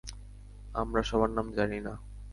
আমরা সবার নাম জানি না।